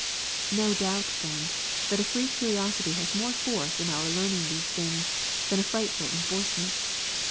No doubt then, that a free curiosity has more force in our learning these things, than a frightful enforcement.